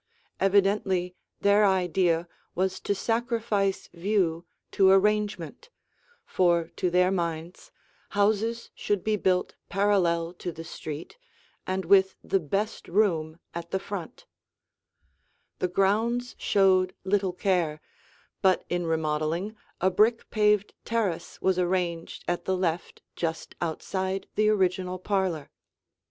Evidently their idea was to sacrifice view to arrangement, for to their minds, houses should be built parallel to the street and with the "best room" at the front. [Illustration: THE HOWLAND S. CHANDLER HOUSE END VIEW] The grounds showed little care, but in remodeling a brick paved terrace was arranged at the left just outside the original parlor.